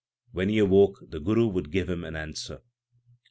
When he awoke, the Guru would give him an answer.